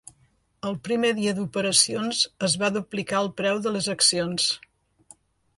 El primer dia d'operacions es va duplicar el preu de les accions.